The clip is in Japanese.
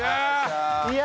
いや！